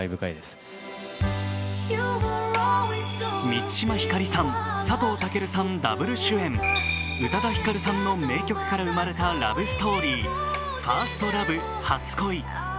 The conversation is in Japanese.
満島ひかりさん、佐藤健さん、ダブル主演、宇多田ヒカルさんの名曲から生まれたラブストーリー、「ＦｉｒｓｔＬｏｖｅ初恋」。